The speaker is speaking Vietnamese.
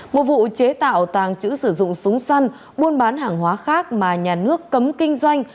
một vụ chế tạo tàng trữ sử dụng súng săn buôn bán hàng hóa khác mà nhà nước cấm kinh doanh